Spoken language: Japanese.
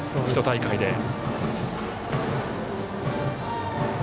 １大会で。